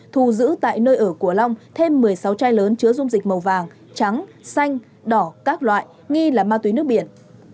thu giữ tại nơi ở của long thêm một mươi sáu chai lớn chứa dung dịch màu vàng trắng xanh đỏ các loại nghi là ma túy nước biển